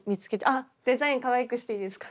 あっデザインかわいくしていいですか？